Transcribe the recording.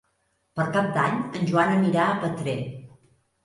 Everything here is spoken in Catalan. Per Cap d'Any en Joan anirà a Petrer.